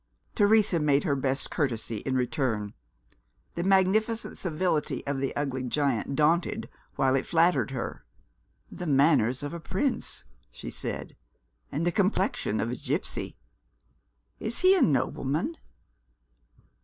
Teresa made her best courtesy in return. The magnificent civility of the ugly giant daunted, while it flattered her. "The manners of a prince," she said, "and the complexion of a gipsy. Is he a nobleman?"